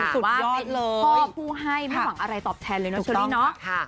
สุดยอดเลยค่ะว่าเป็นพ่อผู้ให้ไม่หวังอะไรตอบแทนเลยเนอะชะมัดดีเนอะ